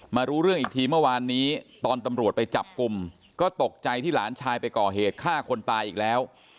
รู้เรื่องอีกทีเมื่อวานนี้ตอนตำรวจไปจับกลุ่มก็ตกใจที่หลานชายไปก่อเหตุฆ่าคนตายอีกแล้ว